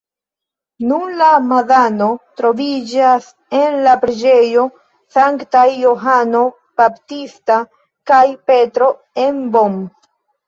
Nun la madono troviĝas en la preĝejo Sanktaj Johano Baptista kaj Petro en Bonn.